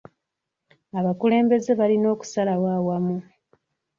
Abakulembeze balina okusalawo awamu.